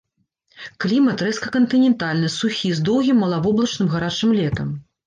Клімат рэзка кантынентальны, сухі, з доўгім малавоблачным гарачым летам.